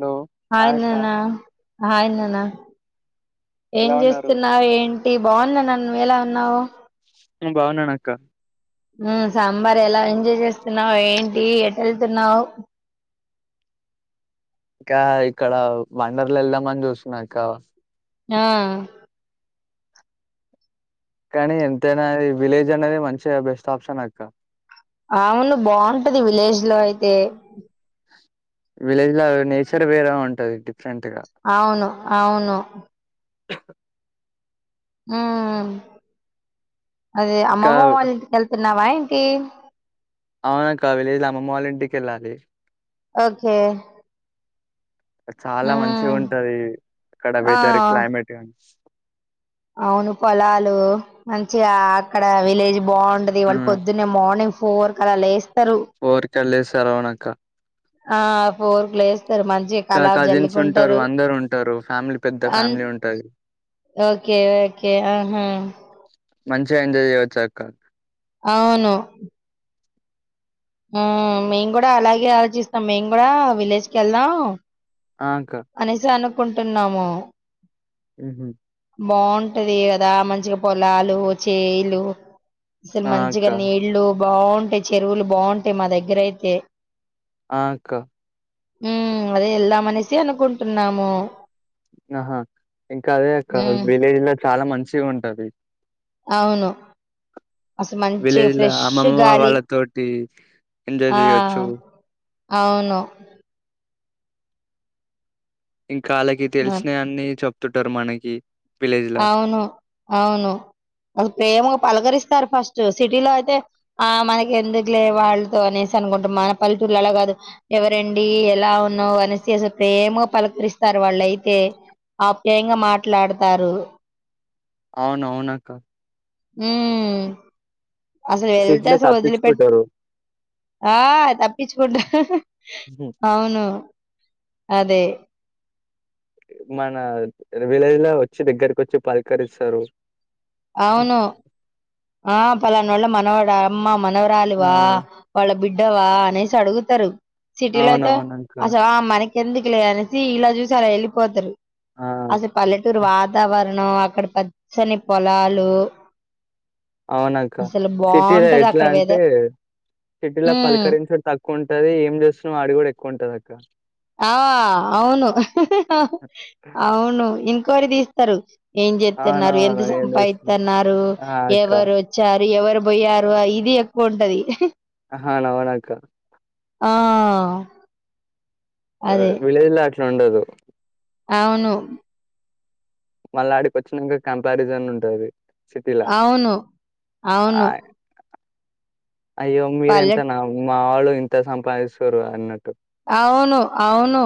Hello hi hi అక్క నూనా hi నూన్నా ఏం ఎలా ఉన్నారు చేస్తున్నావ్ ఏం ఎ బాగున్న నన్ నువ్వెలా ఉన్నావ్ నేన్ బాగున్నాన్ అక్క సమ్మర్ ఎలా ఎంజాయ్ చేస్తున్నావు ఏంటి ఎట్ వెళ్తున్నావ్ క్కా ఇక్కడ వండర్లు వెళ్దామని చూస్తున్నా అక్క ఆ కానీ ఎంతైన విలేజ్ అనేది మంచిగా బెస్ట్ ఆప్షన్ అక్క అవును బాగుంటది విలేజ్ లో అయితే విలేజ్ లో నేచర్ వేరే ఉంటది డిఫరెంట్ గా అవును అవును మ్ అదే ఇంకా అమ్మమ్మ వాళ్ళింటికి వెళ్తున్నావా ఏం టి అవునక్క అవి లేదు అమ్మమ్మ వాళ్ళ ఇంటికి వెళ్లాలి ఓకె చాల మంచి ఉంటది అక్కడ ఆ వెదర్ క్లైమేట్ అవును పొలాలు మంచిగా అక్కడ విలేజ్ బావుంటది ఆ వాళ్లు పొద్దున్నే మార్నింగ్ ఫోర్ కలా లేస్ తరు టలేస లోనక్క ఆ ఫోర్ లేస్తరు మంచి ఇంకా కల్లాప్ కజిన్స్ ఉంటారు జల్లుకుంటారు అందరు ఉంటారు ఫ్యామిలీ పెద్ద అం ఫ్యామిలీ ఉంటది ఓకె ఓకె ఆహా మంచిగా ఎంజాయ్ చేయచ్చు అక్క అవును ఆ మేమ్ కూడ అలాగే ఆలోచిస్తాం మేమ్ కూడా విలేజ్ కి వెళ్ళ ఆ అక్క అనేసాను కుంటున్నాము ఉహూ బాగుంటది గదా మంచిగ పొలాలు చేలు. ఆ సెమ్మంచిగ అక్క నీళ్లు. బాగుంటాయ్ చెరువులు బాం టె మ దగ్గరైతె. ఆ అక్క ఉమ్ అదే యెళ్దామనేసి అనుకుంటున్నాము. ఆహా ఇంకదే అక్క ఉమ్ విలేజ్లొ చాలా మంచిగు. టది. ఔను అసల్ మంచిగ విలేజ్ లో ఫ్రెష్ అమ్మమ్మ గాలి వాళ్ళతోటి ఎంజాయ్ ఆ. చేయొచ్చు ఔను. ఇంకాళ్ళకి తెలిసినయన్ని చొప్. టుటర్ మనకి విలేజ్ లా ఔను ఔను వాల్ల్ ప్రేమగ పలకరిస్ సర్ ఫస్ట్ సిటీలో ఐతే ఆ మనకెందుకులే వాళ్తొ అనేసి అనుకుంటమ్ మన పల్లెటూళ్లలా కాదు ఎవరండి ఎలా ఉన్నావ్ అనంస్సిసి ప్రేమగ పలకరిస్తారు వాళ్ళైతె ఆప్యాయంగా మాట్లాడతారు. ఔను ఔనక్క. ఉమ్ అసల్ వెళ్తే సిటీలో అసలు వదిలిపెట్ తప్పించుకుంటారు ఆ తప్పించుకుంటా. ఉహు. హహ ఔను అదే మనా ర్ విలేజ్ లో వొచ్చి దగ్గరకొచ్చి పలకరిస్సరు. ఔను ఆ పలా మనోళ్ళ మనవడా అమ్మ మన. మనవరాలివా వాళ్ళ బిడ్. టవా అనేసడుగుతరు. సిటీలో ఐతే అవునవునక్క అస ఆ అమ్మాని. ఎందుకులే అనేసి ఇలా జూసి అలా యెళ్ళిపోతరు. ఆ అసల్ పల్లెటూరు వాతావర్ ను అక్కడ పచ్చని పొలాలు ఔనక్క అసలు సిటీలో బాగుంటది ఎట్ల అక్కడ అంటే వెదర్ సిటీలో ఉమ్ పలకరించడు తక్కువుంటది. ఏం జేస్తున్నావ్ అడుగుడెక్కువుంటదక్క. ఆ ఔను ఔను. ఎంక్వైరి దీస్తరు. ఏం జేత్తున్నారు. ఎంత అవునవును ఏం చేస్తున్నావ్ సంపాయిత్తన్నారు. ఆ అక్క ఎవరొచ్చార్. ఎవరు బొయ్యారు అ ఇది ఎక్కువుంటది. హ అవునవునక్క ఆ అదే విలేజ్ల అట్లా ఉండదు. [inaudible] అవును మళ్ళాడికి వచ్చినాంక కంపారిజన్ ఉంటది సిటీలా అవును అవును‌ ఆహ్, అయ్యో మీర ఎంతనా మా వాళ్ళు ఇంత సంపాదిస్తురు అన్నట్టు అవును అవును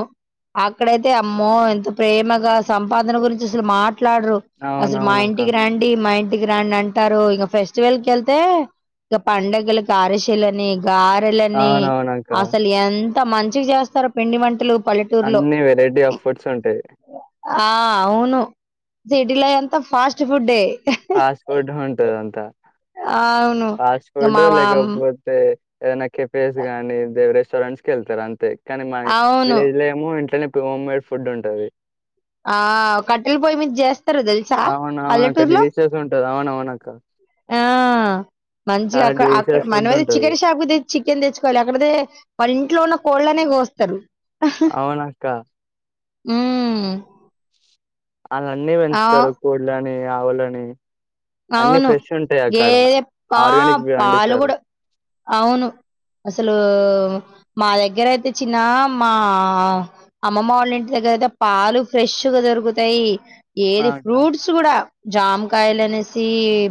అక్కడైతే అమ్మో ఎంత ప్రేమగా సంపాదన గురించి అసలు మాట మాట్లాడరు అసలు మా అవునవునక్క ఇంటికి రండి మా ఇంటి ఇంటి కి రండి అంటారు ఇగ ఫెస్టివల్ కి వెళ్తే ఇగ పండుగలకి అరిశలని గారెలని అవునవునక్క అసలు ఎంత ఎంత మంచిగా చేస్తారో పిండి వంటలు పల్లెటూరులో. అన్ని వెరైటీ ఆఫ్ ఫుడ్స్ ఉంటాయి ఆ అవును సిటీలో అంత ఫాస్ట్ పుడే ఫాస్ట్ ఫుడ్ ఉంటది అంతా అవును. ఫాస్ట్ ఇక ఫుడ్ మా మామ్ లేకపోతే ఏదన్నా కపిేస్ గానిి దేవరే్ స రెడ్స్ెళ్తార అంతే కానీ మా అవును. విలేజ్ లో ఏమో ఇంట్లోనే ఇప్పుడు హోమ్ మేడ్ ఫుడ్ ఉంటుంది ఆ కట్టల్ పోయి మీ జస్ తెలుసా అవునవునక్క పల్లెటూరులో డిలీషియస్ ఉంటది అవునవునక్క మంచిగా చాలా అక్కడ అ డిలీషియస్ ఫుడ్ మనమతే ఉంటది చికెన్ షాప్ తె చికెన్ తెచ్చుకోవాలి అక్కడ వాళ్ళ ఇంట్లో ఉన్న కోళ్ళనే కోస్తారు అవునాక్క ఉ అళ్న్నీ పెంచుతారు కోడ ని ఆవులని అన్ని అవును ఫ్రెష్ ఉంటాయి అక్కడ. గేదే పా ఆర్గానిక్ పాలు పండిస్తారు. కూడా అవును అసలు మా దగ్గర అయితే చిన్న మా అమ్మమ వాళ్ళ ఇంటి దగ్గర అయితే పాలు ఫ్రెష్గా దొరుకుతాయి ఆ ఏది అక్క ఫ్రూట్స్ కూడా జామ్ కాయలాని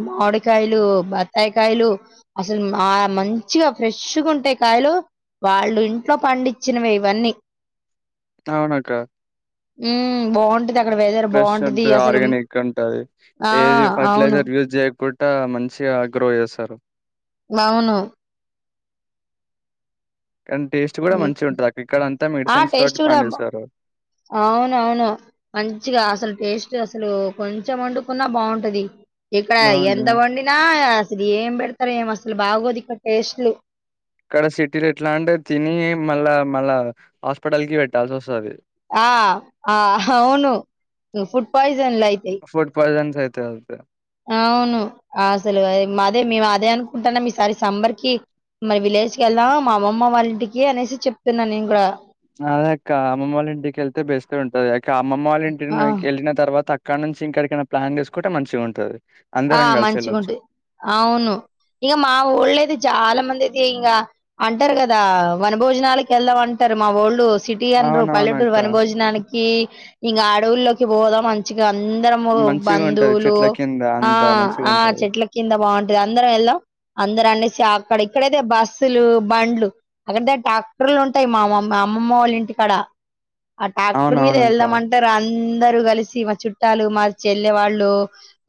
మామిడికాయలు బత్తాయికాయలు అసలు మా మంచిగా ఫ్రెష్గా ఉంటే కాయలు వాళ్ళు ఇంట్లో పండించినవి ఇవన్నీ అవునుట ఉ బాగుంటది అక్కడ వెేదర్ బాగుంటది ఉంటది, అసలు ఆ ఎ అవును సార్ యూజ్ గు మంచిగా గ్రో చేస్తారు అవును కానీ టేస్ట్ కూడా మంచిగా ఉంటది అక్క ఇక్కడ అంతా ఆ మెడిసిన్స్ టేస్ట్ తోటి కూడా పండిస్తారు. అవున అవును మంచిగా అసలు టేస్ట్ అసలు కొంచెం వండుకున్నా బాగుంటది ఇక్కడ అవును ఎంత వండినా అసలు ఏం పెడతారు ఏమ వస్త అసలు బాగోదు ఇక్కడ టేస్ట్లు ఇక్కడ సిటీలు ఎట్లా అంటే తిని మళ్ళా మళ్ళా హాస్పిటల్ కి పెట్టాల్సి వస్తుది ఆ అవును ఫుడ్ పయిన్ ఫుడ్ పయిజన్ అయితే అవుతే అవును అసలు అదే మేము అదే అనుకుంటాన్నా మీసారి సంబర్ మరి విలేజ్ కి వెళ్దాం మా అమ్మమ్మ వాళ్ళ ఇంటికి అనేసి చెప్తున్నాను నేను కూడా అద అక్క అమ్మమ్మ వాళ్ళ ఇంటికిళ్తే బేస్క ఉంటది అక అమ్మమ్మ వాళ్ళ ఇంటిని ఆ! వెళ్ళిన తర్వాత అక్క ఇక్కడ నుంచి ఇంక్కడికైనా ప్లాన్ చేసుకుంటే మంచిగా ఉంటుది ఆ మంచిగా ఉంటుది అవును ఇంకా మా ఊళ్ళ అతే చాలా మంది అది ఇంకా అంటారు కదా వన భోజనాలకు వెళ్దాంంటారు మా ఒళ్ళు సిటీ అనూ పల్లెటూరు అవునవునక్క వన భోజనానికి ఇం అడవుల్లోకి పోదా మంచి అందరము మంచిగా ఉంటది బంధువులు చెట్ల కింద ఆ అంతా మంచిగా ఆ ఉంటది చెట్ల కింద బాగుంటంది అందరం వెళ్దాం అ ఇర అనేసి అక్కడ ఇక్కడైయితే బస్సులు బండ్లు అక్కడ ట్రాక్టర్లు ఉంటాయి మా మా అమ్మమ్మ వాళ్ళ ఇంటికాడ ఆ ట్రాక్టర్ మీద అవునవునక్క వెళ్దామంటే రా అందరుూ కలిసి మా చుట్టాలు మా చెల్లె వాళ్ళు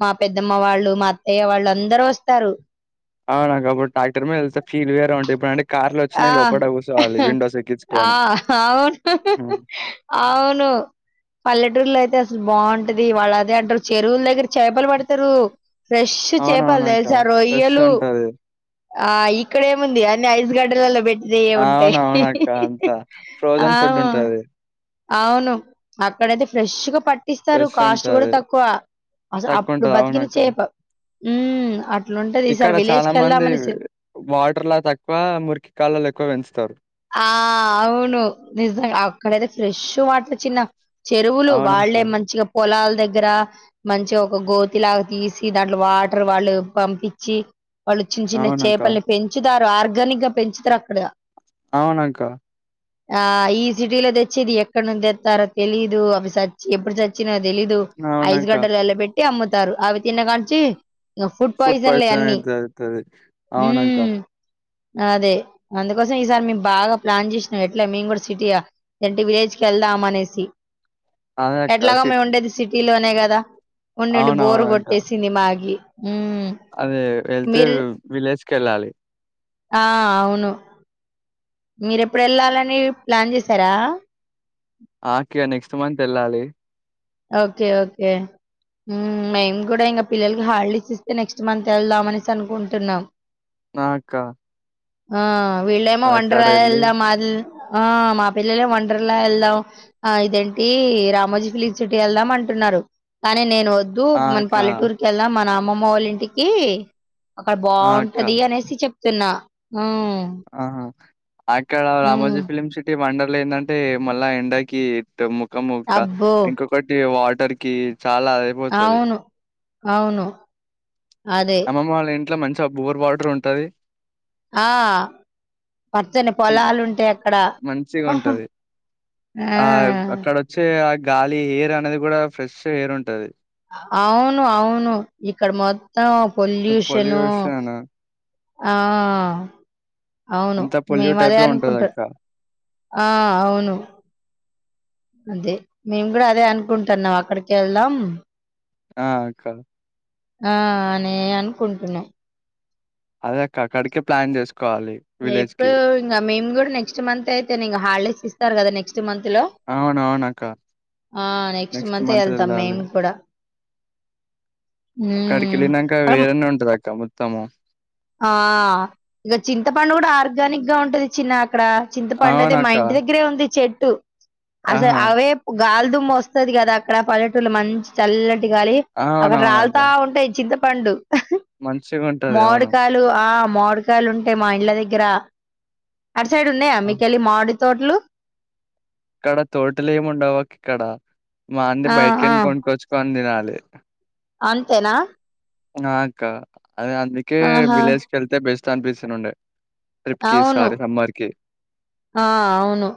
మా పెద్దమ్మ వాళ్ళు మా అత్తయ్య వాళ్ళు అందరుూ వస్తారు అవు నాకబప్పుడు టడాక్టర్ మీద వెతే ఫీల్ వే ఉంటే ఇప్పుడు అంటే ఆ ఎక్కించుకొని ఆవును ఉమ్. ఆవును పల్లెటూర్లా అ బాగుంటది వాళ్ళ అదే అంటారు చెరువుల దగ్గర చేపలు పడతారు ఫ్రెష్ చేపాల అవునవునక్క తెలుస ఫ్రెష్ రొయ్యలు ఉంటది ఆ ఇక్కడ ఏముంది అన్ని ఐస్ గడ్ పిల్లల బెట్ అవునవును అక్క అంత ఆ ఫ్రోజన్ ఫుడ్ ఉంటది అవును అక్కడయితే ఫ్రెష్గ పట్ టిస్తారు ఫ్రెష్ కాస్ట్ కూడ ఉంటది తక్కువ అస తక్కువ అప్పుడు ఉంటది బతికిన అవునక్క చేప ఉమ్ అన్ ఇక్కడ చాల మంది వాటర్ ల తక్కువ మురికి కాళ్ళలు ఎక్కువ పెంచుతారు. ఆ అవును నిజం అక్కడయితే ఫ్రెష్ వాటర్ చిన్న చెరువులు అవునక్క వాళ్లేే మంచిగ పొలాల్ దగ్గర మంచి ఒక గోతిలాగ తీసి దాంట్లో వాటర్ వాళ్ళు పంపించి వాళ్ళు చిన్ చిన్న అవునక్క చేపల్ని పెంచుతారు ఇటు ఆర్గనిక్ పెంచుతారక్కడ అవునక్క ఆ ఈ సిటీలో తెచ్చేది ఎక్కడ నుంచి తెస్తారొ తెలీదు అవి సచ్చి ఎప్పుడు చచ్చినా తెలీదు ఐస్ అవునక్క గడ్డలో ఎళ్లా పెట్టి అమ్ముతారు అవి తిిన్న కాన్నుంచి ఫుడ్ పాయిజన్ అయితుది అవునక్కా హ్మ్. అదే అందుకోసం ఈసారి మీక్ బాగ ప్లాన్ చేసినాం ఎట్లా మేము కూడా సిటీయా అంటే విలేజ్ కి వెళ్దాం అనేసి అదే అక్క ఎట్లాగొ సిట్ మేముండేది సిటీలోనే ట్నే కద ఉండెండి బోర్ అవునవునక్క కొట్టేసింది మాకి ఉమ్ అదే వెళ్తే మీరు విలేజ్ కెళ్ళాలి ఆ అవును మీరెప్పుడు వెళ్ళాలని ప్లాన్ చేసార ఆ అక్కయ నెక్స్ట్ మంత్ వెళ్ళాలి ఓకె ఓకే మేము కూడ ఇంకా పిల్లలకి హాలిడేస్ ఇస్తే నెక్స్ట్ మంత్ వెళ్దాం అనేసి అనుకుంటున్నాం రా అక్క ఆ వీళ్లేమో అక్కడ వెళ్ళి వంటరాయీల్దామా అది ఇది ఆ మా పిల్లలే వండర్లా వెళ్దాం ఆ ఇదేంటీ రామోజీ ఫిలిప్స్ సిటీ వెళ్దాం అంటున్నారు కానీ నేను వద్దు ఆ మన అక్క పల్లెటూరు కెళ్దాం మన మమ్మ వాళ్ళ ఇంటికి అక్కడ ఆ అక్క బావుంటది అనేసి చెప్పి ప్తున్న ఆ ఆహా ఆక్కడ ఉమ్ రామోజీ ఫిలిం సిటీ మండలామ్ ట్ ఏంటంటే మళ్ళా ఎండాకి మొక్క అబ్బో ఇంకొకటి వాటర్ టర్కి అవును అవునుఆ అమ్మమ్మ వాళ్ళింట్లో మంచిగా బోర్ వాటర్ ఉంటది ఆ పచ్చని పొలాలు ఉంటాయి అక్కడ మంచిగా ఆ ఉంటది ఆ అక్కడ వచ్చే ఆ గాలి ఎయిర్ అనేది కూడా ఫ్రెష్ ఏరుంటది అవును అవును ఇక్కడ మొ త్తం పొల్యూశను పొల్యూషన్ ఆ అవును అంతా మేము పొల్యూట్ అదే అయిపోయి ఉంటది అనుకుంటారు అక్క ఆ అవును అదే మేము కూడా అదే అనుకుంటున్నాం అక్కడికి వెళ్దాం ఆ అక్క ఆ నే అనుకుంటున్నాం అదే అక్క అక్కడికే ప్లాన్ చేసుకో ఎప్పుడు ఇంకా మేము కూడా నెక్స్ట్ మంత్ అయితేనే హాలిడేస్ ఇస్తా ఇస్తారు కదా నక్స్ నెక్ట్ మంత్ లో అవునవును అక్క ఆ నెక్స్ట్ మంత్ వెళ్తాం మేము కూడా అక్కడ హ్మ్. వెళ్ళినంక అం వేరేనే ఉంటది అక్క మొత్తం తమ్ము ఆ ఇక చింతపండు కూడా ఆర్ గానిక్ గా ఉంటంది చిన్నక్ ఇక్కడ చింతపండు అదే మా అవునక్క ఇంటి దగ్గరే ఉంది చెట్ టూ అసలు ఆహా అవే గాలిదుుమ్మ వస్తుది కదా అక్కడ పల్లటూల మంచి చల్లటి గా దిగాలి అక్కడ అవునవునక్క రాలతా ఉంటాయి చింత ప పండు మంచిగా ఉంటది అవును ఆ మామిడికాయలుంటే మా ఇళ్ల దగ్గర అటు సైడ్ ఉన్నాయ మీ కెళ్ళి మామి తోట్లు ఇక్కడ తోటలేమ్ ఉండవ్ అక్ ఇక్కడ మాంది ఆ! ఆ! బయ్టికెన్ కొన్ కొచ్చుకో అ దినాలే అంతేనా నాకా అదే అందుకే ఆహా! విలేజ్ కెళ్తె బెస్ట్ చాన్బిస్సెనుండే అవును ఆహ్ అవును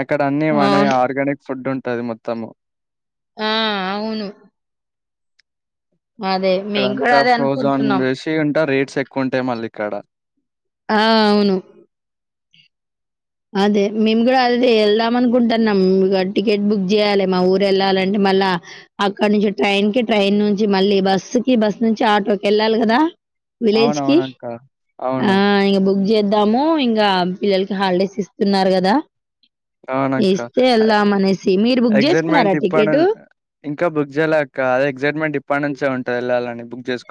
అక్కడ అన్ని వనీ అవును. ఆర్గానిక్ ఫుడ్ ఉ తది మొత్తము ఆహ్ అవును అదే మేము కూడా ఇక్కడంతా అదే ఫ్రోజోన్ అనుకుంటున్నాం. వేసి అంతా రేట్ చెక్కుంటే మళ్ళి ఇక్కడ. ఆహ్ అవును అదే మేమ్ గూడా అదే ఎళ్దాం అనుకుంటున్నాం ఇగ టికెట్ బుక్ జేయ్యాలి మా ఊరు ఎళ్ళాలంటే మళ్ళా అక్కడ నుంచి ట్రైన్ కి ట్రైన్ నుంచి మళ్ళీ బస్సు కి బస్ నుంచి ఆటోకి ఎళ్ళాలి గదా. విలేజ్కి అవునవునక్క. అవును. ఆహ్ ఇగ బు జేద్దాము ఇగా పిల్లలకి హాలిడేస్ ఇస్తున్నారు గదా అవునక్క ఇస్తే ఎళ్దాం అనేసి. మీరు బుక్ ఎక్సైట్మెంట్ జేసుకున్నారా ఇప్ప ను టికెటు? ఇంకా బుగ్ జేయలె అక్క అదే ఎక్సైట్మెంట్ ఇప్పనుంచే ఉ తెళ్ళాలని బుగ్ జేస్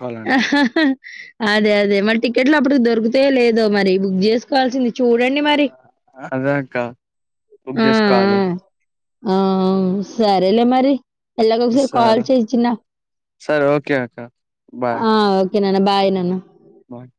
అదే అదే మళ్ టికెట్లు అప్పుటికి దొరుకు తే లేదో మరి బుక్ జేస్కోవాల్సింది. అదే అక్క బుగ్ జేస్కోవాలి. ఆహ్ సరేలే మరి ఎళ్ళగ ఒకసారి సరే. కాల్ చేయ్ చిన్న సరే ఓకే అక్క ఆహ్ ఓ కే నాన్న బాయ్ నాన్న. వాట్